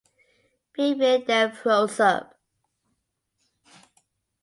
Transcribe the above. Vivian then throws up.